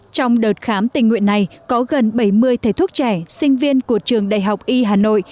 trong đợt khám tình nguyện này có gần bảy mươi thầy thuốc trẻ sinh viên của trường đại học y hà nội